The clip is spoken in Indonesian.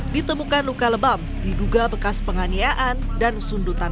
ditemukan luka lebam diduga bekas penganiayaan dan sundutan